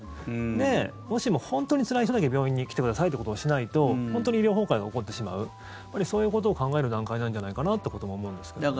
で、もしも本当につらい人だけ病院に来てくださいってことをしないと本当に医療崩壊が起こってしまうそういうことを考える段階なんじゃないかなってことも思うんですけどね。